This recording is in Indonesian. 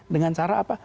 dengan cara apa